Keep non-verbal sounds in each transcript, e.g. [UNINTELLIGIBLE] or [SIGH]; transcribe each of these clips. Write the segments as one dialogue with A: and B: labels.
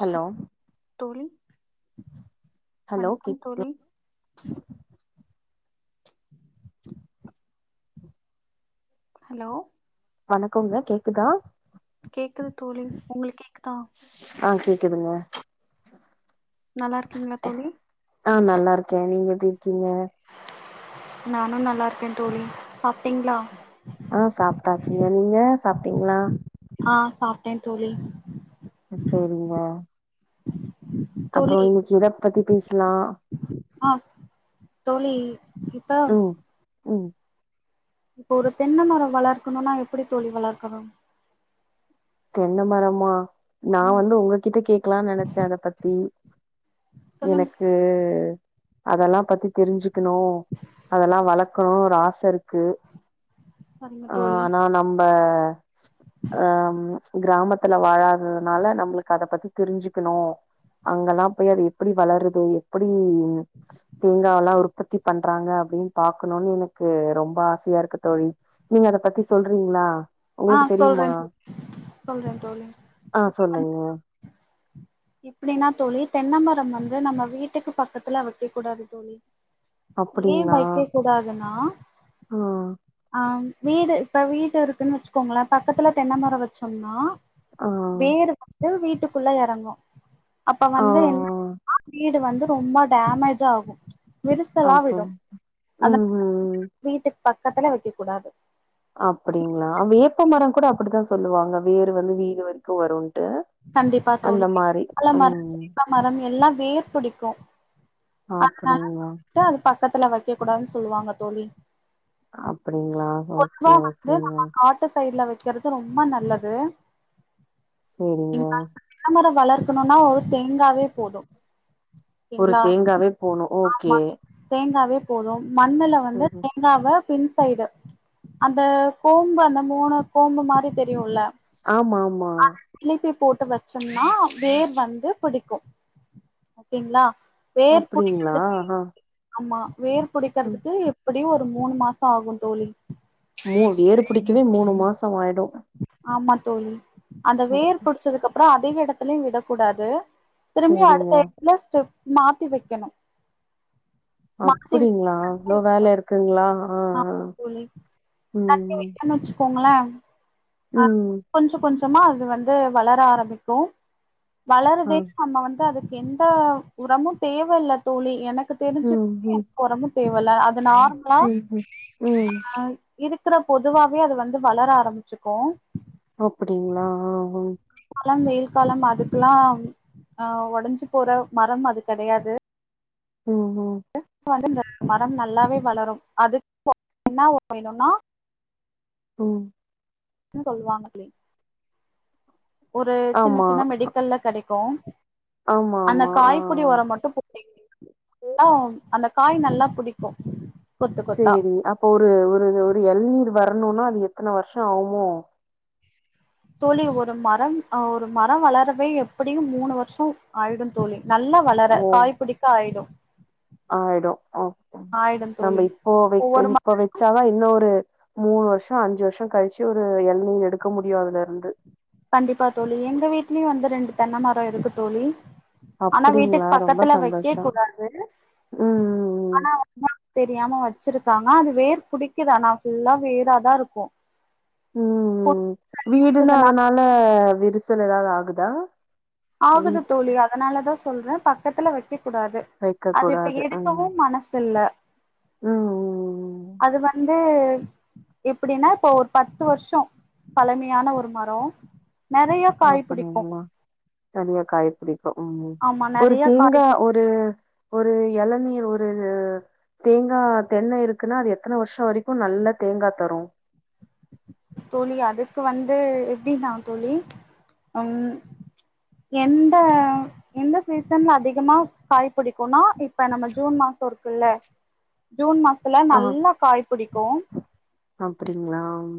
A: Hello
B: ஹல் தோழி
A: hello
B: வணக்கம்
A: கேக்
B: தோழி ஹலோ
A: வணக்கோங்க கேக்குதா
B: கேக்குது தோழி உங்ளுக் கேக்குதா
A: க்குதுங்க
B: நல்லாருக்கீங்ளா தோழி
A: லாருக்கே நீங்க எப்டி இருக்கீங்க
B: நானு நல்லாருக்க தோழி சாப்ட்டிங்ளா
A: ஆ சாப்ட்டாச்சுங்க நீங்க சாப்ட்டிங்களா
B: ஆ சாப்ட்டே தோழி
A: செரிங்க அப்றோ
B: தோழி
A: இன்னைக்கு எத பத்தி பேஸ்லா
B: ஆ தோழி இப்ப
A: ம் ம்
B: இப்ப ஒரு தென்ன மரோ வளர்க்குணுனா எப்டி தோழி வளர்க்குணு
A: தென்ன மரமா நா
B: ம்
A: வந்து ஒங்ககிட்ட கேக்லான் நெனைச்சே அத பத்தி
B: சொல்லுங்க
A: எனக்கு அதல்லா பத்தி தெரிஞ்சு க்குணு அதலா வளக்குணு ஒரு ஆசருக்கு
B: சரிங்க
A: ஆ
B: தோழி
A: ஆனா நம்ப ஆ கிராமத்துல வாழாததுனால நம்புளுக்கு அத பத்தி தெரிஞ்சுக்குணு அங்கலா போய் அது எப்புடி வளருது எப்புடி தேங்காவலா உற்பத்தி பண்றாங்க அப்டின் பாக்கணுன் எனக்கு ரொம்ப ஆசையாருக்கு தோழி நீங்க அத பத்தி சொல்றீங்ளா
B: ஆ சொல்றே சொல்றே தோழி
A: ஆ
B: இப்ப வந்து
A: சொல்லுங்க
B: எப்டின்னா தோழி தென்னமரம் வந்து நம்ம வீட்டுக்கு பக்கத்துல வைக்க கூடாது தோழி ஏன்
A: அப்டிங்களா
B: வைக்க கூடாதுன்னா
A: ஆ
B: ஆ வீடு இப்ப வீட்டு இருக்குன்னு வச்சுக்கோங்களே பக்கத்துல தென்ன மரோ வச்சம்னா
A: ஆ
B: து வீட்டுக்குள்ள எறங்கு அப்ப
A: ஆ
B: வந்து என்னன்னா வீடு வந்து ரொம்ப டேமேஜாகு விரிசலா
A: அப்ப
B: விடு அதா
A: ம் ம்
B: [INAUDIBLE] வீட்டுக்கு பக்கத்துலே வைக்க கூடாது
A: அப்டிங்ளா வேப்பமரம் கூட அப்டி தா சொல்லுவாங்க வேரு வந்து வீடு வரைக்கு வருனு
B: கண்டிப்பா தோழி வாழ மரம்
A: ம்
B: வேப்ப மரம் எல்லா வேர் புடிக்கு அதனால
A: ஆப்டிங்ளா
B: வந்து அது பக்கத்துல வைக்க கூடாதுன்னு சொல்லுவாங்க தோழி
A: அப்டிங்களா ஓகே
B: பொதுவா வந்து
A: ஓகேங்க
B: நம்ம காட்டு சைடுல வெ க்கிறது ரொம்ப நல்லது
A: என்ன
B: வளர்க்கணுன்னா ஒரு தேங்காவே போது
A: ஒரு
B: ஓகேங்களா
A: தேங்காவே போணு ஓகே
B: ஆமா தேங்காவே மண்ணுல வந்து
A: சரி
B: தேங்காவ பின் சைடு அந்த கோம்பு அந்த மூணு கோம்பு மாரி தெரியுல்ல
A: ஆமா ஆமா
B: இழுப்பி போட்டு வச்சோம்னா வேர் வந்து பிடிக்கு ஓகேங்களா வேர்
A: அப்டிங்களா
B: புடிக்கிறதுமே
A: ஆ
B: ஆமா வேர்
A: ம்
B: புடிக்கிறதுக்கு எப்படியு ஒரு மூணு மாச ஆகு தோழி
A: மூ வேறுபிடிக்கவே மூணு மாச ஆயிடு
B: ஆமா தோழி அந்த வேர் புடிச்சதுக்கு அப்புற அதே இடத்துலயு விடக்கூடாது திரும்பியு
A: சேரிங்க
B: அடுத்த எடத்துல ஸ்டப் மாத்தி வைக்கணு மாத்தி வச்சு
A: அப்படிங்களா இவ்ளோ வேலை இருக்குங்களா ஆ ஆ
B: தண்ணி
A: ம்
B: வெக்காம வச் ஆ
A: ம்
B: கொஞ்ச கொஞ்சமா அது வந்து வளர ஆரம்பிக்கு
A: ஆ
B: வளருதேனு நம்ம வந்து அதுக்கு எந்த உரமு தேவையில்ல தோழி எனக்கு தெரிஞ்சு
A: ம் ம்
B: எந்த ஓரமு தேவல்ல அது நார்மலா
A: ம் ம் ம்
B: அ இருக்கிற பொதுவாவே அது வந்து வளர ஆரம்பிச்சுக்கு
A: அப்படிங்களா ஆ ஆ
B: ல்லா வெயில் காலம் அதுக்குலா அ ஒடஞ்சு போற மரம் அது கிடையாது
A: ம்
B: [UNINTELLIGIBLE] மரம் நல்லாவே வளரும் அது பாத்திங்கனா ஒயர்ணுனா
A: ம்
B: என்ன சொல்லுவாங்களே ஒரு சின்ன
A: ஆமா
B: சின்ன மெடிக்கல்ல கிடைக்கு
A: ஆமா
B: அந்த
A: ஆமா
B: காய் படி
A: ஆ
B: உரம் மட்டு போட்டு அந்த காய் நல்லா புடிக்கு கொத்து கொத்தா
A: சேரி அப்ப ஒரு ஒரு ஒரு எளநீர் வரணுன்னா அது எத்தனை வருஷம் ஆகுமோ
B: தோழி ஒரு மரம் அ ஒரு மரோ வளரவே எப்படியு மூணு வருஷோ ஆயிடு தோழி நல்லா வளர
A: ஓ
B: காய் பிடிக்க ஆயிடு
A: ஆயிடு ஆமா
B: ஆயிடு தோழி
A: நம்ம இப்போ வைக்க
B: ஒவ்வொரு ம
A: இப்ப வச்சாதா இன்னு ஒரு மூணு வருஷோ அஞ்சு வர்ஷோ கழிச்சு ஒரு எளநீர் எடுக்க முடியு அதுல இருந்து
B: கண்டிப்பா தோழி எங்க வீட்லயு வந்து ரெண்டு தென்ன மரோ இருக்கு தோழி ஆனா வீட்டுக்கு
A: அப்டிங்களா ரொம்ப
B: பக்கத்துல வைக்கக்
A: சந்தோஷோ
B: கூடாது
A: ம் ம்
B: ஆனா வந்து அங்க தெரியாம வச்சிருக்காங்க அது வேர் புடிக்குது அனா ஃபுல்லா வேறாதா இருக்கு
A: ம்ம் வீடுன்னா
B: வச்சதுனா
A: அதனால விரிசல் எதாவது ஆகுதா
B: ஆகுது
A: வீட்
B: தோழி அதனாலதா சொல்றே பக்கத்துல வைக்க கூடாது
A: வைக்க
B: அது இப்ப
A: கூடாது
B: எடுக்கவு
A: ம்
B: மனசு இல்ல
A: ம் ம் ம்
B: அது வந்து எப்டின்னா இப்போ ஒரு பத்து வர்ஷோ பழமையான ஒரு மரோ நறைய காய் பிடிக்கு
A: நறையா காய் புடிக் கு ம்
B: ஆமா
A: ஒரு
B: நெறைய காய்
A: தேங்கா
B: பிடிக்கு
A: ஒரு ஒரு எளநீர் ஒரு தேங்கா தென்ன இருக்குன்னா அது எத்தன வருஷோ வரைக்கு நல்ல தேங்கா தரு
B: தோழி அதுக்கு வந்து எப்டினா தோழி அம் எந்த எந்த சீசன்ல அதிகமா காய் பிடிக்குனா இப்ப நம்ம ஜூன் மாசோ இருக்குல்ல ஜூன் மாச த்துல
A: ஆ
B: நல்லா காய் பிடிக்கு
A: அப்டிங்களா ம்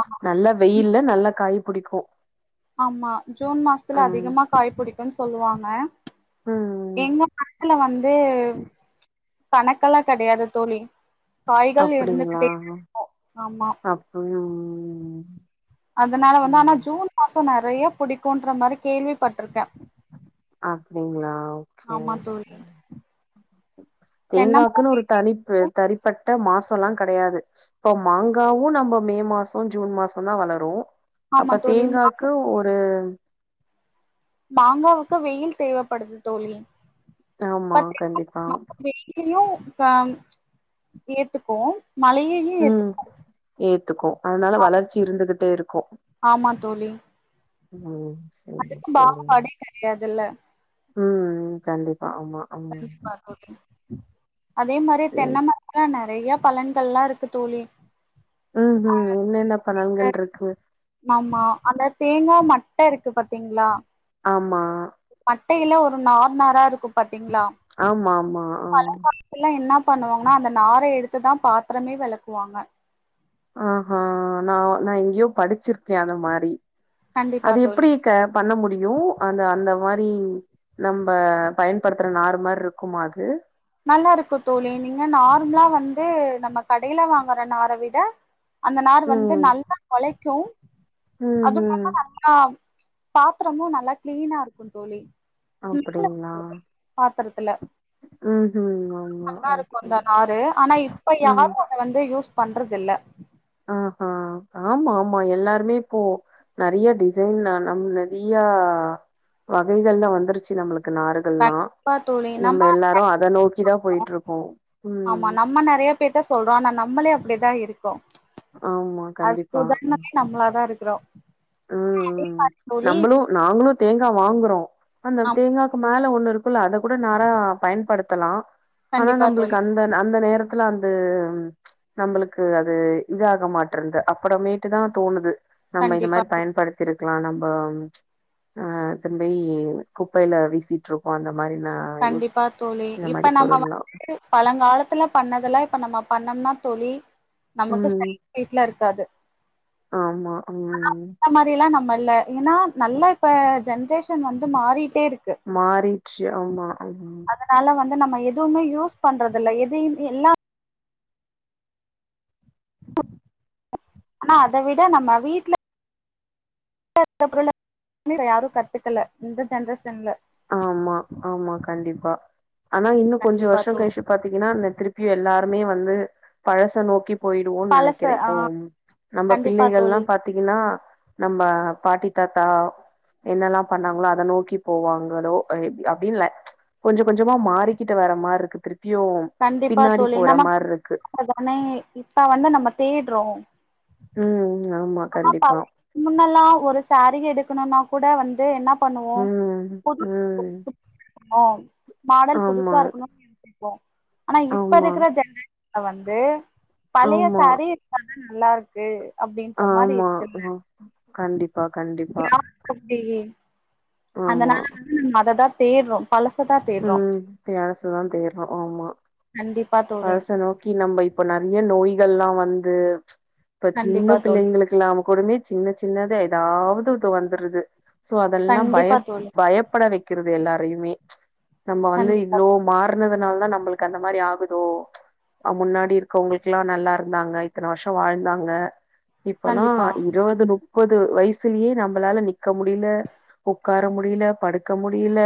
B: ஆமா
A: நல்ல வெயில்ல நல்ல காய் புடிக்கு
B: ஆமா ஜூன் மாசத்துல
A: ம்
B: அதிகமா காய் பிடிக்குன் சொல்வாங்க
A: ம்
B: எங்க மரத்துல வந்து கணக்கெலா கெடையாது தோழி காய்கள்
A: அப்டிங்களா
B: இருந்துகிட்டேதா இருக்கு ஆமா
A: அப்டி ம்
B: அதனால வந்து ஆனா
A: ம்
B: ஜூன் மாசோ நெறைய பிடிக்குன்ற மாரி கேள்வி
A: அப்டிங்ளா ஓகே
B: ஆமா தோழி தென்ன மரோ
A: தேங்காக்குனு ஒரு
B: வீட்ல
A: தனிப் தனிப்பட்ட மாஸ் சலா கெடையாது இப்போ மாங்காவு நம்ம மே மாசோ ஜூன் மாசோந்தா வளரு
B: ஆமா
A: அப்ப
B: தோழி மாங்க
A: தேங்காக்கு ஒரு
B: மாங்காவுக்கு வெயில் தேவப்படுது தோழி
A: ஆமா கண்டிப்பா
B: [INAUDIBLE] கா ஏத்துக்கு மழையையு
A: ம்
B: ஏத்துக்கு
A: ஏத்துக்கு அதனால வளர்ச்சி இருந்துகிட்டே இருக்கு
B: ஆமா தோழி
A: ம் செரி
B: அதுக்கு
A: செரி
B: பாகுபாடே கெடையாதுல்ல
A: ம் கண்டிப்
B: கண்டிப்பா தோழி அதே மாரி
A: செரி
B: தென்ன மரத்துல நெ றையா பலன்கள்லா இருக்கு தோழி
A: ம் ம் என்னென்ன பலன்கள்ருக்கு
B: ஆமா அந்த தேங்கா மட்ட இருக்கு பாத்திங்ளா
A: ஆமா
B: மட்டையில ஒரு நார் நாரா இருக்கு பாத்திங்ளா
A: ஆமா ஆமா ஆ
B: மழ காலத்துல என்ன பண்ணுவாங்கனா அந்த நார எடுத்துதா பாத்தரமே வெளக்குவாங்க
A: ஆஹா நா நா எங்கயோ படிச்சிருக்க அந்த மாரி
B: கண்டிப்பா
A: அது
B: தோழி
A: எப்டி க பண்ண முடியு அந்த அந்த மாரி நம்ப பயன்படுத்துற நார் மார்ருக்குமா அது
B: நல்லா இருக்கு தோழி நீங்க நார்மலா வந்து நம்ம கடைல வாங்கற நார விட அந்த நார் வந்து
A: ம்
B: நல்லா ஒழைக்கு
A: ம்
B: அது
A: ம்
B: இல்லாம நல்லா பாத்ரமு நல்லா க்ளீனா இருக்கு தோழி
A: அப்டிங்களா
B: [INAUDIBLE] பாத்தரத்துல
A: ம் ம் ஆமா
B: நல்லாருக்கு
A: ஓகே.
B: அந்த நாரு ஆனா இப்ப யாரு அத வந்து யூஸ் பண்றதில்ல
A: ஆஹ ஆமா ஆமா எல்லாருமே இப்போ நெறைய டிசைன் நம் நெறைய ஆ வகைகள்ல வந்துருச்சு நம்ளுக் கு நாறுகல்லா
B: கண்டிப்பா தோழி
A: நம்ம எல்லாரு அத நோக்கிதா போயிட்ருக்கோ ம்
B: யா பேர்த்த சொல்றோ ஆனா நம்மளே அப்டிதா இருக்கோ
A: ஆமா
B: அதுக்கு
A: கண்டிப்பா
B: உதாரணமே நம்மளா தா இருக்கறோ
A: ம் ம் நம்புளு நாங்குளு தேங்கா வாங்கறோ அந்த
B: ஆமா
A: தேங்காக்கு மேல ஒண்ணு இருக்குல்ல அத கூட நாரா பயன்படுத்தலா ஆனா
B: கண்டிப்பா தோழி
A: நம்புளுக்கு அந்த அந்த நேரத் துல அது நம்புளுக்கு அது இதாக மாட்ரன்து அப்புறமேட்டுதா தோணுது
B: கண்டிப்பா தோ
A: படுத்திருக்கலா நம்ப திரும்பி குப்பைல வீசிட்ருக்கோ அந்த மாரி நா
B: கண்டிப்பா தோழி
A: இந்த மாரி
B: இப்ப நம்ம
A: பொருள்லா
B: வந்து பழங்காலத்துல பண்ணதெல்லா இப்ப நம்ம பண்ணம்னா தோழி நமக்கு
A: ம்
B: [INAUDIBLE] இருக்காது
A: ஆமா
B: ஆனா
A: ம்
B: அந்த மாரிலா நம்ம இல்ல ஏனா நல்லா இப்ப ஜென்ரேஷன் வந்து மாறி
A: மாறிச்சு ஆமா ம்
B: அதனால வந்து நம்ம எதுமே யூஸ் பண்றது இல்ல எதையுமே எல்லா
A: [INAUDIBLE]
B: ஆனா அத விட நம்ம வீட்ல வீட்ல இருக்கிற பொருள யாரு கத்துக்கல இந்த ஜென்ரேஷன்ல
A: ஆமா ஆமா கண்டிப்பா ஆனா இன்னு கொஞ்ச
B: கண்டிப்பா
A: வருஷோ
B: தோழி
A: கழிச்சு பாத்தீங்கன்னா திருப்பி எல்லாருமே வந்து பழச நோக்கி போயிருவோன்னு
B: பழச
A: நெனக்கிறேன்
B: ஆ
A: இப்போ நம்ம
B: கண்டிப்பா
A: பிள்ளைக எல்லா
B: தோழி
A: பாத்தீங்கன்னா நம்ம பாட்டி தாத்தா என்னெல்லா பண்ணாங்ளோ அத நோக்கி போவாங்க ஹலோ அப்டின்னு இல்ல கொஞ்சோ கொஞ்சமா மாறிகிட்டு வர்ற மாரி இருக்கு
B: கண்டிப்பா தோழி நம்ம [INAUDIBLE] தானே இப்ப வந்து நம்ம தேடுறோ
A: ம் ஆமா.
B: ஆனா ப
A: கண்டிப்பா.
B: [INAUDIBLE] முன்னெல்லா ஒரு சாரி எடுக்கணுனா கூட வந்து என்ன பண்ணுவோ
A: ம்.
B: புது [INAUDIBLE]
A: ம்.
B: மாடல்
A: ஆமா,
B: புதுசா இருக்கணு ஆனா இப்ப
A: ஆமா,
B: இருக்கிற ஜென்ரேஷன்ல வந்து பழைய
A: ஆமா,
B: சாரி ம் நல்லா இருக்கு அப்டின்ற மாரி
A: ஆமா.
B: இருக்கல்ல
A: ம். கண்டிப்பா, கண்டிப்பா.
B: [UNINTELLIGIBLE] அப்டி
A: ஆமா.
B: அதனால வந்து நம்ம அததா தேடுறோ பழசதா தேடுறோ
A: ம் பழசதா தேடுறோ ஆமா
B: கண்டிப்பா தோழி
A: பழச நோக்கி நம்ம இப்ப நெறய நோய்கள் எல்லா வந்து து இப்ப
B: கண்டிப்பா
A: சின்ன
B: தோழி
A: பிள்ளைங்களுக்கெல்லா உடனே சின்ன சின்னதா எதாவது ஒன்னு வந்துருது சோ அதெல்லா
B: கண்டிப்பா
A: பயப்
B: தோழி
A: பயப்பட வெக்கறது எல்லாரையுமே நம்ம வந்து
B: கண்டிப்பா
A: இவ்ளோ மாறுனதுனாலதா நம்மளுக்கு அந்த மாரி ஆகுதோ அ முன்னாடி இருக்கவங்களுக்கெல்லா நல்லா இருந்தாங்க இத்தனை வருஷோ வாழ்தாங்க இப்பெல்லா
B: கண்டிப்பா
A: இருவது முப்பது வயசிலயே நம்மளால நிக்க முடியல உக்கார முடியல படுக்க முடியல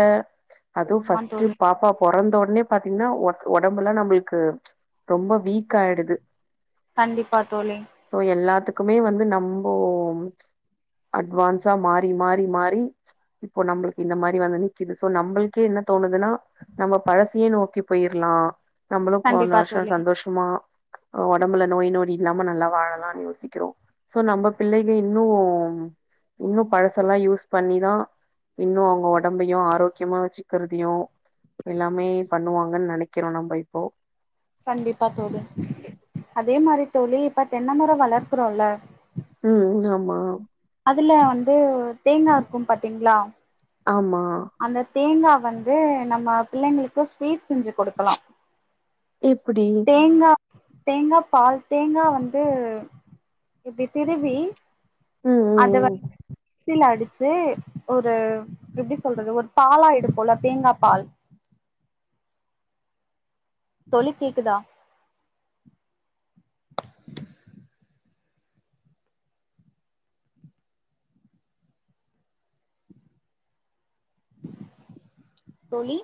A: அதுவு
B: ஆமா
A: ஃபர்ஸ்ட்
B: தோழி
A: பாப்பா பொறந்த ஒடனே பாத்தீங்கன்னா ஒடம்பெல்லா நம்ள்க்கு ரொம்ப வீக் ஆயிடுது
B: கண்டிப்பா தோழி
A: க்குமே வந்து நம்போ அட்வான்ஸா மாறி மாறி மாறி இப்ப நம்மளுக்கு இந்த மாரி வந்து நிக்குது சோ நம்ள் க்கு என்ன தோணுதுனா நம்ம பழசயே நோக்கி போயிர்லா நம்மளு போண
B: கண்டிப்பா
A: வருஷோ
B: தோழி
A: சந்தோஷமா ஒடம்புல நோய் நொடி இல்லாம நல்லா வாழலானு யோசிக்கிறோ சோ நம்ம பிள்ளைங்க இன்னு இன்னு பழசெல்லா யூஸ் பண்ணிதா இன்னு அவுங்க ஒடம்பையு ஆரோக்கியமா வெச்சு க்கிறதுயு எல்லாமே பண்ணுவாங்கன்னு நெனைக்கிறோ நம்ம இப்போ
B: கண்டிப்பா தோழி அதே மாரி தோழி இப்ப தென்ன மரோ வளர்க்கறோல
A: ம் ஆமா
B: அதுல வந்து தேங்கா இருக்கு பாத்தீங்ளா
A: ஆமா
B: அந்த தேங்கா வந்து நம்ம பிள்ளைங்களுக்கு ஸ்வீட் செஞ்சு குடுக்கலா
A: எப்டி
B: தேங்கா பால் தேங்கா வந்து இப்டி திருவி
A: ம் ம்
B: அது வ
A: ம்
B: மிக்சில அடிச்சு ஒரு எப்டி சொல்றது ஒரு பாலா எடுப்போல்ல தேங்கா பால்
A: அம் [UNINTELLIGIBLE]
B: தோழி கேக்குதா தோழி